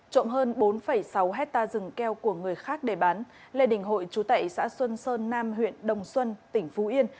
trộm hơn bốn sáu hectare rừng keo của người khác để bán lê đình hội chú tẩy xã xuân sơn nam huyện đồng xuân tỉnh phú yên